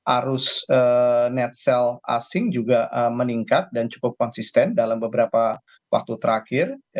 arus net sale asing juga meningkat dan cukup konsisten dalam beberapa waktu terakhir